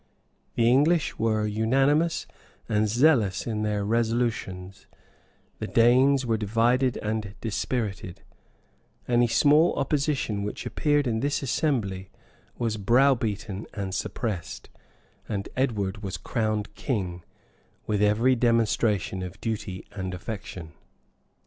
The English were unanimous and zealous in their resolutions; the Danes were divided and dispirited: any small opposition, which appeared in this assembly, was browbeaten and suppressed; and Edward was crowned king, with every Demonstration of duty and affection.